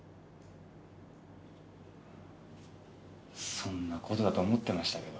そんなことだと思ってましたけど。